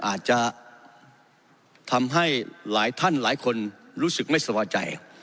อาจจะทำให้หลายท่านหลายคนรู้สึกไม่สบายใจ